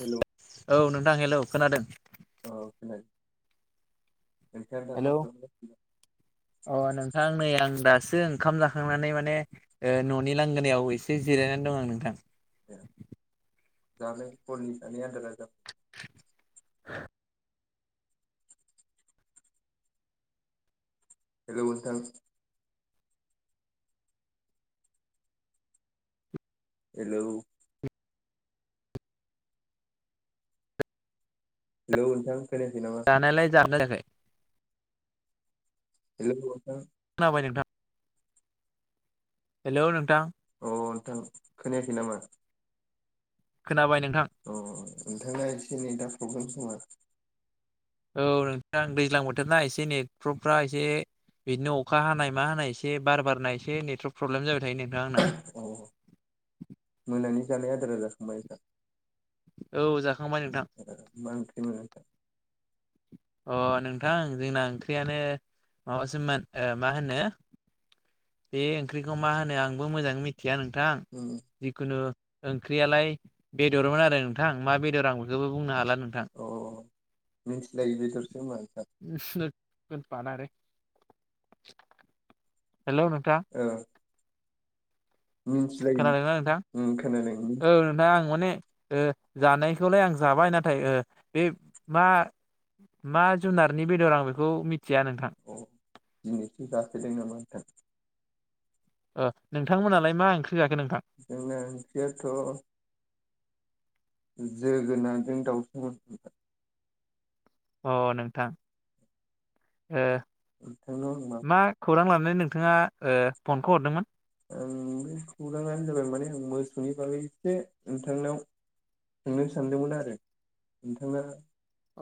हेल'। औ नोंथां हेल' खोनादों। औ खोना हेलौ! अ नोंथां नै आं दास ओंखाम जाखांनानै माने न'नि लांगोनायाव एसे जिरायनानै दं आं नोंथां। ए जानो फननि स आन्दारा जाब हेलौ नोंथां। हेलौ। हेलौ नोंथां। खोनायाखै नामा जानायलाय जानाय जाखै? हेलौ, नोंथां। खोनाबाय नोंथां। हेल' नोंथां। अ नोंथां खोनायाखै नामा? खोनाबाय नोंथां अ नोंथांना एसे एनै दा प्रब्लेमसङा? औ नोंथां दैज्लां बोथोरना एसे नेट्र'फ्रा एसे बिदिनो अखा हानाय मा हानाय एसे बार बारनाय एसे नेटवर्क प्रब्लेम जाबाय थायो नों औ, मोनानि जानाय आदारा जाखांबाय नोंथां? औ जाखांबाय नोंथां। [inaudible] अ नोंथां जोंना ओंख्रियानो माबासोमोन मा होनो बे ओंख्रिखौ मा होनो आंबो मोजाङै मिथिया नोंथां उम जिखुनु ओंख्रियालाय बेदरमोन आरो नोंथां मा बेदर आं बेखौबो बुंनो हाला नोंथां अ मिथिलायै बेदरसो होमबा नोंथां? [unintelligible] हेल' नोंथां। ओ मिन्थिलायि खोनादोंना नोंथां? उम खोनादों मिन औ नोंथां आं माने ओ जानायखौलाय आं जाबाय नाथाय ओ बे मा मा जुनारनि बेदर आं बेखौ मिथिया नोंथां। जासोदों नामा नोंथा? ओ नोंथांमोनालाय मा ओंख्रि? जाखो नोंथां जोंना ओंख्रियाथ' जोगोनारजों दाउसोमोन। अ' नोंथां ओ नोंथांनाव आं मा खौरां ला नानै नोंथाङा ओ फनखौ हरदोंमोन? आं बे खौराङानो जाबाय माने आं मोसौनि बागै एसे नोंथांनाव सोंनो सानदोंमोन आरो नोंथांङा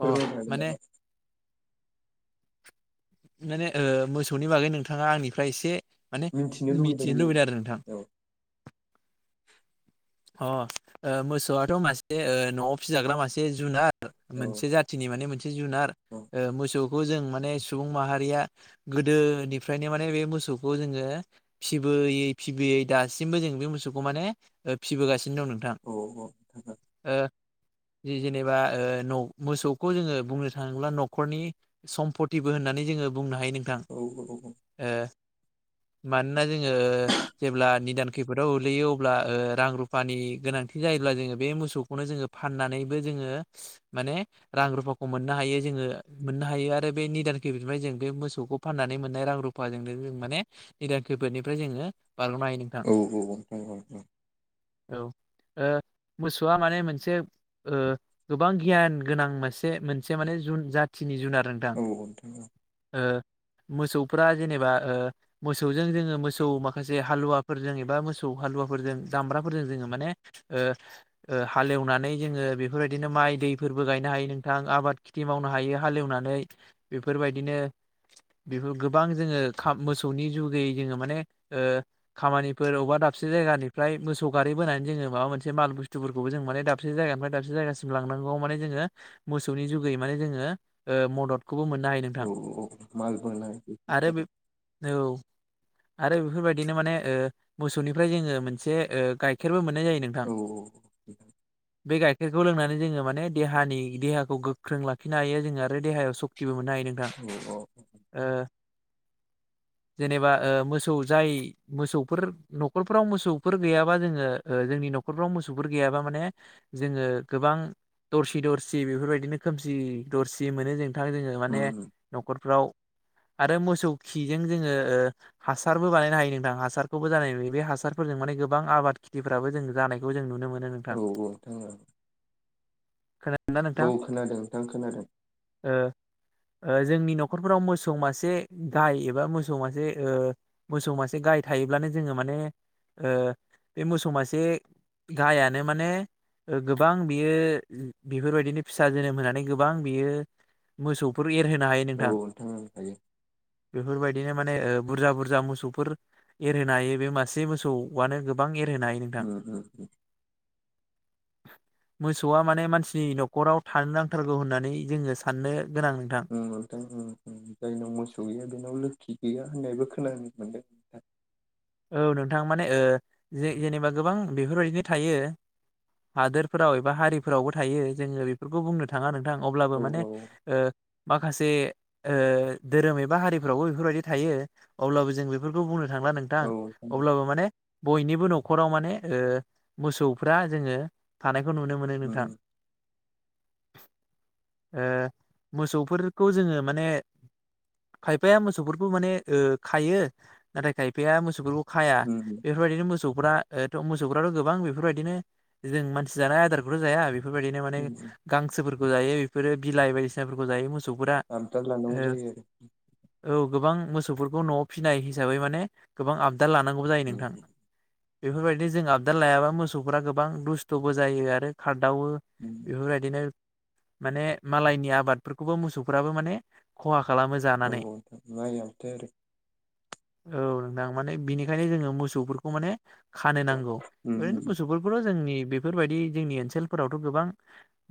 अ हागोन माने नामा? माने ओ मोसौनि बागै नोंथांङा आंनिफ्राय एसे माने मिथिनो लुुबैदोंमोन आं लुबैदो आरो नोंथां। औ ह' ओ मोसौआथ' मासे ओ न'आव फिजाग्रा मासे जुनाद मोनसे औ जाथिनि माने मोनसे जुनार ओ मोसौ खौ जों माने सुबुं माहारिया गोदोनिफ्रायनो माने बे मोसौखौ जोङो फिसिबो बोयै फिबोयै दासिमबो जों बे मोसौखौ माने ओ फिबोगासिनो। दं नोंथां औ अ नोंथां। ओ जि जेनेबा ओ न' मोसौखौ जोङो बुंनो थांङोब्ला न'खरनि सम्प'तिबो होन्नानै जों ङो बुंनो हायो नोंथां औ औ ओ मानोना जोङो जेब्ला निदान खैफोदाव ओलैयो अब्ला ओ रां रुफानि गोनांथि जायोब्ला जोङो बे मोसौखौनो जोङो फान्नानैबो जोङो माने रां रुफाखौ मोन्नो हायो जोङो मोन्नो हायो आरो बे निदान खैफोदनिफाय जों बे मोसौखौ फान्नानै मोन्नाय रां रुफा फाजोंनो जों माने निदान खैफोदनिफ्राय जोङो बारग'नो हायो नोंथां औ औ औ औ औ। औ ओ मोसौआ माने मोनसे ओ गोबां गियान गोनां मासे मोनसे माने जुन जाथिनि जुनाद औ औ नोंथां औ। मोसौफ्रा जेनेबा ओ मोसौजों जोङो मोसौ माखासे हालुवाफोरजों एबा मोसौ हालुवाफोरजों दामब्राफोरजों जोङो माने ओ ओ हालेवनानै जोङो बेफोरबायदिनो माइ दैफोरबो गायना हायो नोंथां आबाद खिथि मावनो हायो हालेवनानै बेफोरबायदिनो बेफोर गोबां जोङो खा मोसौनि जुगैै जोङो माने ओ खामानिफोर अबा दाब से जायगानि फ्राय मोसौ गारि बोनानै जोङो माबा मोनसे माल बुस्थुफोरखौबो जों माने दाबसे जायगानिफाय दाबसे जायगासिम लांनांगोआव माने जोङो ङो मोसौनि जुगै माने जोङो ओ मदद खौबो मोन्नो हायो औ नोंथां औ माल बोनाय औ आरो बे औ। आरो बेफोरबायदिनो माने ओ मोसौनिफ्राय जोङो मोनसे ओ गाइखेरबो मोन औ औ। बे गाइखेरखौ लोंनानै जोङो माने देहानि देहाखौ गोख्रों लाखिनो हायो जोङो आरो देहायाव सक तिबो मोन्नो हायो नोंथां औ ओ जेनेबा ओ मोसौ जाय मोसौफोर न'खरफोराव मोसौ फोर गैयाबा जोङो ओ जोंनि न'खरफ्राव मोसौफोर गैयाबा माने जोङो गोबां दरसि दरसि बेफोरबायदिनो खोमसि दरसि मोनो जोंथां जोङो माने उम उम न'खरफ्राव [inaudible] आरो मोसौ खिजों जोङो ओ हासारबो बानायनो हायो नोंथां हासारखौबो जानाय नुयो बे हासारफोरजों माने गोबां आबाद खेथिफ्राबो जों जानायखौ जों नुनो मोन औ औ नोंथां औ। खोना औ खोनादों नोंथां खोनादों। ओ ओ जोंनि न'खरफोराव मोसौ मासे गाय एबा मोसौ मासे ओ मोसौ मासे गाय गाय थायोब्लानो जोङो माने ओ बे मोसौ मासे गायानो माने ओ गोबां बियो बेफोरबायदिनो फिसा जोनोम होनानै गोबां बियो मोसौफोर एरहोनो हायो औ नोंथां। ओं हायो बेफोरबायदिनो माने ओ बुरजा बुरजा मोसौफोर एरहोनो हायो बे मासे मोसौयानो गोबां एर उम उम उम। मोसौआ माने मानसिनि न'खराव थानो नांथारगौ होननानै जोङो साननो गोनां नोंथां ओं नोंथां ओं ओं जायनाव मोसौ गैया बेनाव लोखि गैया होननायबो खोनानो मोनो औ नोंथां माने ओ जे जेनेबा गोबां बेफोरबायदिनो थायो हादोरफोराव एबा हारिफोरावबो थायो जोङो बेफोरखौ बुंनो थाङा नों थां अब्लाबो औ माने औ ओ। माखासे ओ धोरोम एबा हारिफ्रावबो बेफोरबायदि थायो अब्लाबो जों बेफोरखौ बुंनो थांला औ नोंथां जायो। अब्लाबो माने बयनिबो न'खराव माने ओ मोसौफ्रा जोङो थानाय खौ नुनो मोनो नोंथां। उम [inaudible] ओ मोसौफोरखौ जोङो माने खायफाया मोसौबो माने ओ खायो नाथाय खायफाया मोसौ फोरखौ खाया उम बेफोरबायदिनो मोसौफ्रा ओ मोसौफ्राथ' गोबां बेफोरबायदिनो जों मानसि जानाय आदारखौथ' जाया बेफोरबायदिनो माने उम उम गांसोफोरखौ जायो बेफोरो बिलाइ बायदिसिनाफोरखौ जायो मो सौबौफोरा आबदाल लानांगौ ओ जायो आरो औ। गोबां मोसौफोरखौ न'आव फिनाय हिसाबै माने गोबां आबदा लानांगौबो जायो उम नोंथां। बेफोरबायदि जों आबदार लायाबा मोसौफोरा गोबां दुस्थ'बो जायो आरो खार दावो उम उम बेफोरबायदिनो माने मालायनि आबादफोरखौबो मोसौफ्राबो माने खहा खालामो जानानै नोंखौ नोंथां नायाबाथाय आरो। औ नोंथां माने बिनिखायनो जोङो मोसौफोरखौ माने खानो नांगौ। उम उम ओरैनो मोसौफोरखौथ' जोंनि बेफोरबायदि जोंनि ओनसोलफोरावथ' गोबां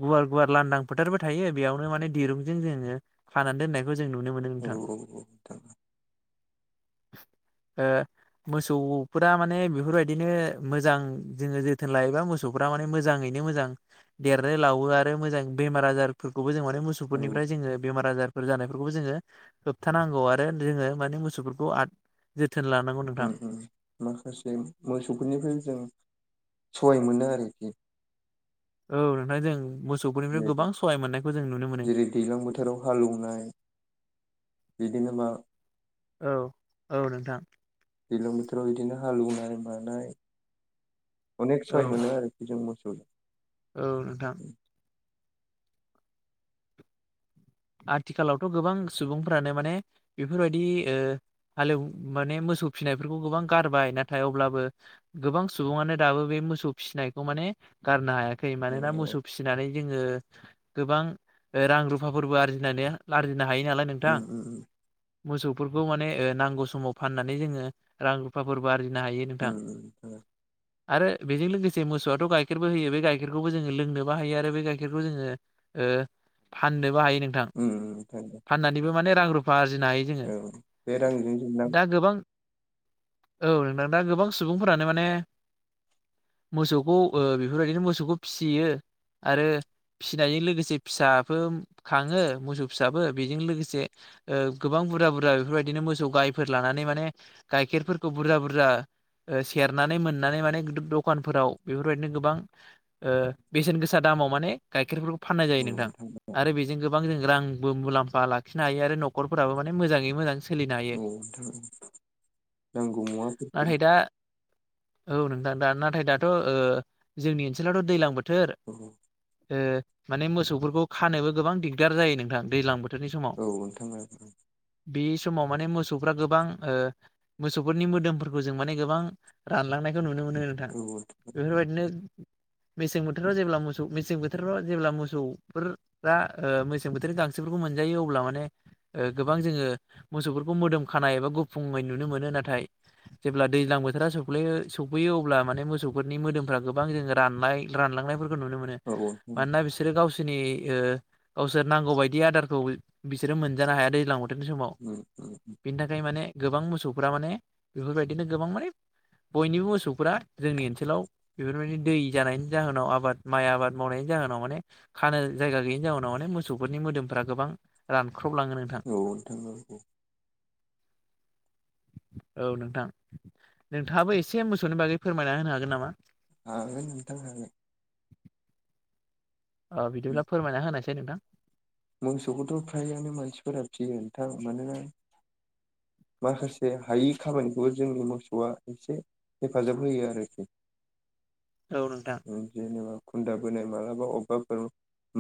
गुवार गुवार लांदां फोथारबो थायो बेयावनो माने दिरुंजों जोङो खानानै दोननायखौ जों नुनो मोनो औ नोंथां। औ नोंथां हो। मोसौफोरा माने बेफोरबायदिनो मोजां जोङो जोथोन लायोबा मोसौफ्रा माने मोजाङै ङै मोजां देरो लावो आरो मोजां बेमार आजारफोरखौबो जोङो औ मोसौफोरनिफ्राय जोङो बेमार आजार फोर जानायफोरखौबो जोङो होबथानांगौ आरो जोङो माने मोसौफोरखौ आ ओम ओम माखासे मोसौफोरनिफ्राय जों सहाय मोनो आरो‌। [inaudible] औ नोंथां जों मो जेरै दैज्लां बोथोराव हालेवनाय बिदिनो मा औ औ नोंथां दैलां बोथोराव इदिनो हालौवनाय मानाय अनेक औ सहाय मोनो आरोखि जों मोसौजों औ नोंथां आथिखालावथ' गोबां सुबुंफ्रानो माने बेफोरबायदि ओ हालेव माने मो ज सौ फिनायफोरखौ गोबां गारबाय नाथाय अब्लाबो गोबां सुबुङानो दाबो बे मोसौ फिसिनायखौ माने गारनो हाया [unintelligible] खै औ मानोना औ मोसौ फिसिनानै जोङो गोबां ओ रां रुफाफोरबो आरजिनानै लार नो हायो नालाय नोंथां। उम उम उम मोसौ फोरखौ माने ओ नांगौ समाव फाननानै जोङो रां रुफाफोरबो आ [unintelligible] [unintelligible] नो हायो उम नोंथां नोंथां आरो बेजों लोगोस से मोसौआथ' गाइखेरबो होयो बे गाइखेरखौबो जोङो लोंनोबो हायो आरो बे गाइखेरखौ जोङो ओ फाननो [unintelligible] उम उम इनखायनथ' माने रां रुफा आरजिनो हायो जोङो औ [unintelligible] [inaudible] दा गोबां औ नोंथां दा गोबां सुबुंफोरानो माने मोसौखौ ओ बेफोरबायदिनो मोसौखौ फिसियो आरो फिनायजों लोगोसे फिसाबो खाङो मोसौ फिसाबो बेजों लोगोसे ओ गोबां बुरा बुरा बेफोरबायदिनो मोसौ गायफोर लाना [unintelligible] माने गाइखेरफोरखौ बुरजा बुरजा ओ सेरनानै मोननानै माने [unintelligible] दखानफोराव बेफोरबायदिनो ओ गोबां बेसेन गोसा दा [unintelligible] दामाव माने गाइखेरफोरखौ फाननाय जायो नोंथां। आरो बेजों गोबां जों रांबो मुलाम्फा लाखिनो हायो आरो न'खरफोराबो माने मोजाङै मोजां सोलिनो हायो औ नोंथां नांगौ मुवाफोरखौ नाथाय दा औ नोंथां दा नाथाय दाथ' ओ जोंनि ओनसोलावथ' दैलां बोथ थोर औ ओ माने मोसौफोरखौ खानोबो गोबां दिगदार जायो नोंथां दैलां बोथ थोरनि समाव औ नोंथां औ बेस समाव माने मोसौफ्रा गोबां ओ मोसौफोरनि मोदोमफोरखौ जों माने गोबां रानलांनायखौ नु नो मोनो नोंथां औ बेफोरबायदिनो मेसें बोथोराव जेब्ला मोसौ मेसें बोथोराव जेब्ला मोसौफोर दा ओ मेसें बोथोरनि गांसोफोरखौ मोनजायो अब्ला माने ओ गोबां जोङो मोसौफोरखौ मोदोम खानाय एबा गुुफुंङै नुनो मोनो नाथाय जेब्ला दैज्लां बोथोरा सौफ्लैयो सफैयो अब्ला माने मोस सौफोरनि मोदोमफ्रा गोबां जोङो राननाय रानलांनायफोरखौ नुनो मोनो औ नोंथां मानोना बिसोरो गावसोरनि ओ गावसोर नांगौ बायदि आदारखौ [unintelligible] बिसोरो मोनजानो हाया दैज्लां बोथ थोरनि समाव उम उम बिनि थाखाय माने गोबां मोसौफ्रा माने बेफोरबायदिनो गोबां माने बयनिबो मोसौफोरा जोंनि ओनसोलाव बेफोरबायदि दै जानायनि जाहोनाव आबाद माइ आबाद मावनाय [unintelligible] जाहोनाव माने खानो जायगा गैयिनि जाउनाव माने मोसौफोरनि मोदोमफोरा गोबां रान औ नोंथां नंगौ औ नोंथां नोंथाङाबो एसे मोसौनि बागै फोरमायना होनो हागोन नामा? हागोन‌ नोंथां हागोन। अ बिदिब्ला फोरमायना होनायसाय नोंथां मोसौखौथ' फ्रायानो मानसिफोरा फियो नोंथां मानोना माखासे हायि खामानिखौबो जोंनि मोसौआ एसे हेफाजाब होयो आरोखि औ नोंथां ओम जेनेबा खुन्दा बोनाय मालाबा अबेबाफोर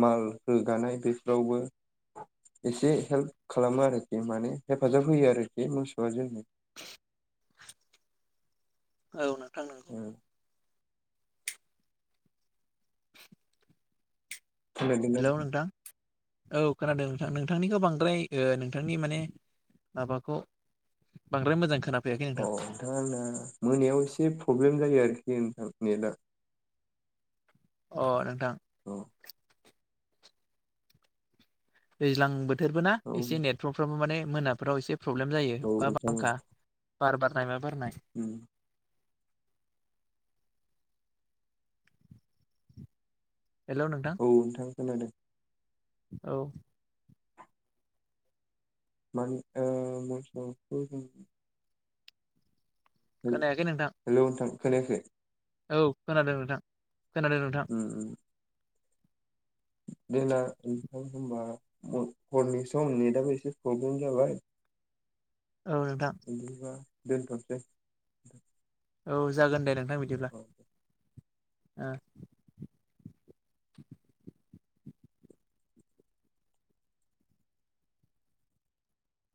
माल रोगानाय बेफोरावबो एसे हेल्प खालामो आरोखि माने हेफाजाब होयो आरोखि मोसौआ जोंनो [inaudible] औ नोंथां नोंगौ हेलौ नोंथां [unintelligible] औ खोनादों नोंथां नोंथांनिखो बांद्राय ओ नोंथांनि माने माबाखौ बांद्राय मोजां खोना अ अ नोंथां आंना मोनायाव एसे प्रब्लेम जायो आरोखि खि नोंथां नेदा अ नोंथां अ दैज्लां बोथोरबो ना औ एसे नेटपर्कफ्रावबो माने मोनाफ्राव एसे प्रब्लेम जायो अखा नोंथां औ बांखा बार बारनाय मा बारनाय हेलौ नोंथां खोनादों औ मानि [unintelligible] हेलौ खोनायाखै नोंथां नोंथां खोनायाखै। औ खोनादों नोंथां खोनादों नोंथां। उम उम देना नोंथां होनबा हरनि सम नेटआो एसे प्रब्लेम जाबाय। औ नोंथां बिदिबा दोनथ'नोसै। औ जागोन दे नोंथां बिदिब्ला। ओ